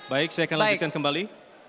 baik saya akan lanjutkan kembali